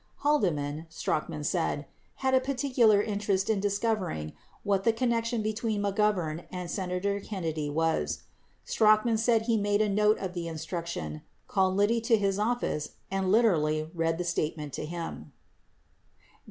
Haldeman, Strachan said, had a "particular interest in discovering what the connection between McGovern and Senator Kennedy was." 17 Strachan said he made a note of the instruction, called Liddy to his office and literally read the statement to him.